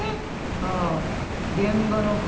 ああ現場の声